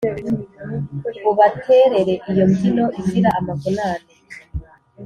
Ubaterere iyo mbyino izira amavunane